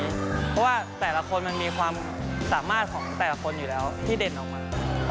เพราะว่าแต่ละคนมันมีความสามารถของแต่ละคนอยู่แล้วที่เด่นออกมา